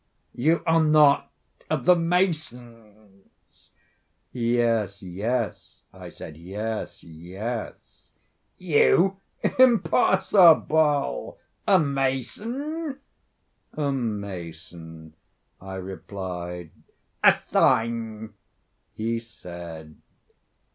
"You are not of the masons." "Yes, yes," I said, "yes, yes." "You? Impossible! A mason?" "A mason," I replied. "A sign," he said.